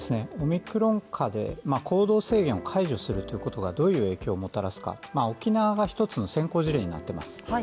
オミクロン下で行動制限を解除するということがどういう影響をもたらすか沖縄が一つの先行事例になってます。